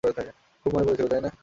খুব মনে পরছিল তাই না?